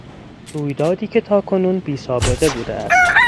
رویدادی که تاکنون بیسابقه بوده است